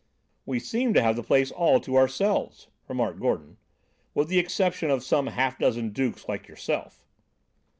"We seem to have the place all to ourselves," remarked Gordon, "with the exception of some half dozen dukes like yourself."